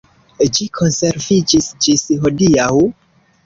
Ĝi konserviĝis ĝis hodiaŭ.